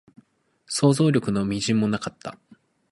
想像力の微塵もなかった